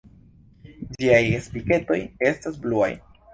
Ĝiaj spiketoj estas bluaj.